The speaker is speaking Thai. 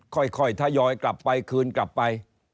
ค่อยทยอยกลับไปคืนกลับไป